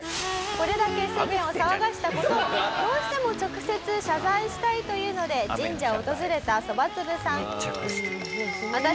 これだけ世間を騒がせた事をどうしても直接謝罪したいというので神社を訪れたそばつぶさん。